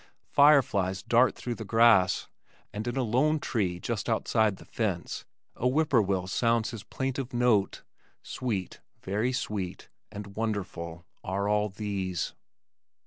Fire flies dart through the grass, and in a lone tree just outside the fence, a whippoorwill sounds his plaintive note. Sweet, very sweet, and wonderful are all these!